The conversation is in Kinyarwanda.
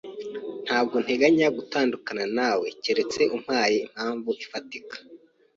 Ntabwo nteganya gutandukana nawe keretse umpaye impamvu ifatika.